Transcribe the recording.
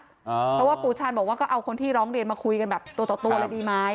เพราะว่าหมอปลาบอกว่าเอาคนที่ร้องเรนมาคุยกันแบบตัวเลยดีไหม